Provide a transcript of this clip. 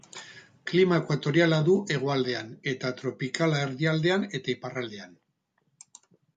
Klima ekuatoriala du hegoaldean eta tropikala erdialdean eta iparraldean.